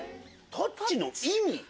「タッチ」の意味？